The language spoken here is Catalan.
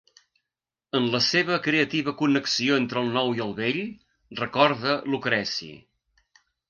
En la seva creativa connexió entre el nou i el vell, recorda Lucreci.